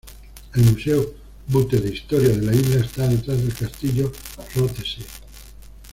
El Museo Bute de Historia de la isla está detrás del castillo Rothesay.